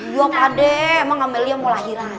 iya pakde emang amalia mau lahiran